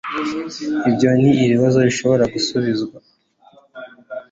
Ibyo nibibazo ntashobora gusubiza